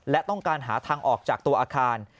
และต้องการหาทางออกจากตัวอาคาร